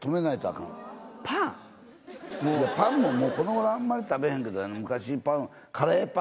いやパンもこの頃あんまり食べへんけど昔。